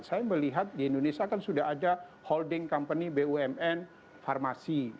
saya melihat di indonesia kan sudah ada holding company bumn farmasi